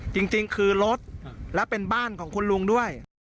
จริงคือรถและเป็นบ้านของคุณลุงด้วย